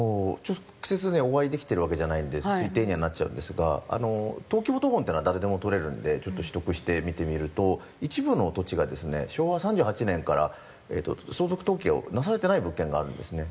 直接ねお会いできてるわけじゃないんで推定にはなっちゃうんですが登記簿謄本っていうのは誰でも取れるんでちょっと取得して見てみると一部の土地がですね昭和３８年から相続登記がなされてない物件があるんですね。